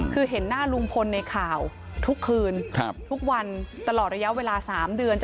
คือเห็นหน้าลุงพลในข่าวทุกคืนทุกวันตลอดระยะเวลา๓เดือน